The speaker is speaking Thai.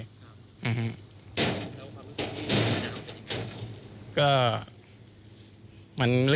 แล้วความรู้สึกว่าแม่น้ำจะยังไงครับ